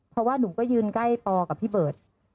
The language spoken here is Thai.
เพราะว่านุ่มก็ยืนใกล้ปอกับพี่เบิร์ต